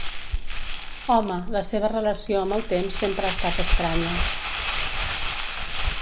Home, la seva relació amb el temps sempre ha estat estranya.